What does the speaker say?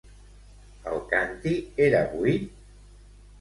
El canti era buit?